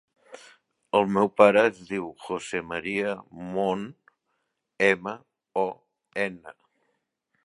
El meu pare es diu José maria Mon: ema, o, ena.